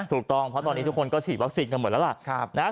ถูกต้องเพราะตอนนี้ทุกคนก็ฉีดวัคซีนกันหมดแล้วล่ะ